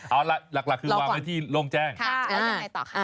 เอาล่ะหลักคือวางไว้ที่โล่งแจ้งแล้วยังไงต่อคะ